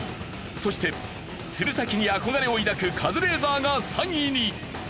そして鶴崎に憧れを抱くカズレーザーが３位に。